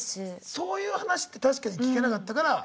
そういう話って確かに聞かなかったから。